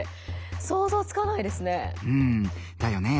想像つかないですね。